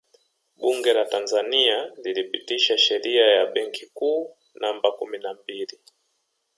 Bunge la Tanzania lilipitisha Sheria ya Benki Kuu Namba kumi na mbili